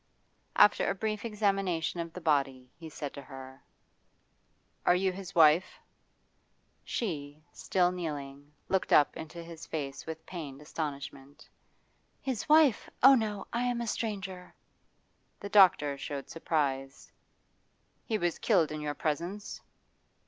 After a brief examination of the body he said to her: 'You are his wife?' She, still kneeling, looked up into his face with pained astonishment. 'His wife? Oh no! I am a stranger.' The doctor showed surprise. 'He was killed in your presence?